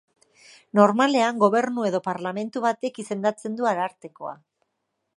Normalean gobernu edo parlamentu batek izendatzen du arartekoa.